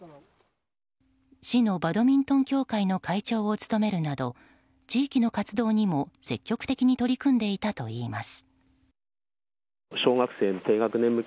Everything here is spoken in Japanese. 市のバドミントン協会の会長を務めるなど地域の活動にも積極的に取り組んでいたといいます。